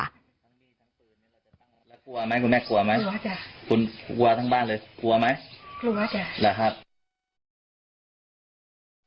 แล้วคุณแม่กลัวไหมคุณกลัวทั้งบ้านเลยกลัวไหมหรือครับ